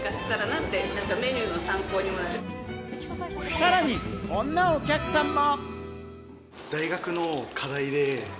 さらにこんなお客さんも。